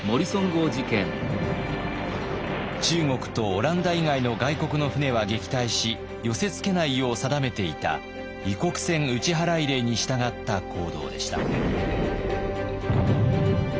中国とオランダ以外の外国の船は撃退し寄せ付けないよう定めていた異国船打払令に従った行動でした。